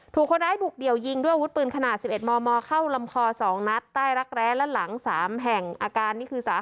ถูกคนร้ายบุกเดี่ยวยิงด้วยอาวุธปืนขนาด๑๑มมเข้าลำคอ๒นัดใต้รักแร้และหลัง๓แห่งอาการนี่คือ